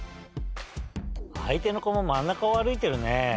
あいての子も真ん中を歩いてるね。